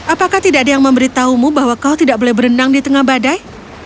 apakah tidak ada yang memberitahumu bahwa kau tidak boleh berenang di tengah badai